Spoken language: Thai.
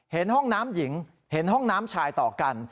เห็นห้องน้ำหญิงเห็นห้องน้ำชายต่อกัน